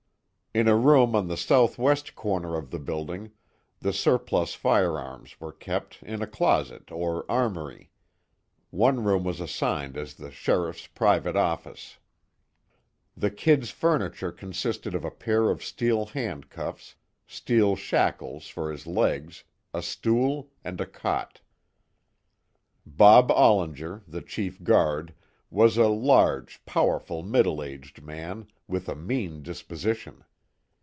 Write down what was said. In a room in the southwest corner of the building, the surplus firearms were kept, in a closet, or armory. One room was assigned as the Sheriff's private office. The "Kid's" furniture consisted of a pair of steel hand cuffs, steel shackles for his legs, a stool, and a cot. Bob Ollinger, the chief guard, was a large, powerful middle aged man, with a mean disposition.